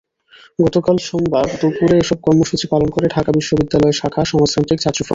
গতকাল সোমবার দুপুরে এসব কর্মসূচি পালন করে বিশ্ববিদ্যালয় শাখা সমাজতান্ত্রিক ছাত্রফ্রন্ট।